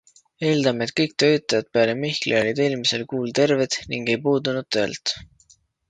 Eeldame, et kõik töötajad peale Mihkli olid eelmisel kuul terved ning ei puudunud töölt.